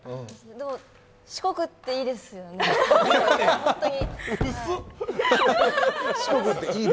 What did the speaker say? でも四国っていいですよね、ホントに。